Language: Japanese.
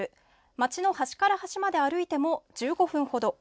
街の端から端まで歩いても１５分程。